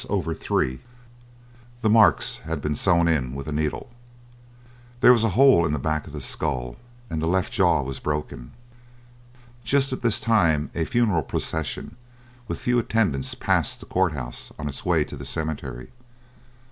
over 3; the marks had been sewn in with a needle. There was a hole in the back of the skull, and the left jaw was broken. Just at this time a funeral procession, with a few attendants, passed the court house on its way to the cemetery.